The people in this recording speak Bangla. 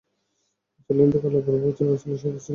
রাসূলের ইন্তেকালের পূর্ব পর্যন্ত রাসূলের সাথেই ছিলেন।